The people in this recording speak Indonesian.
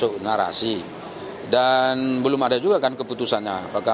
oke sudah ada tugasnya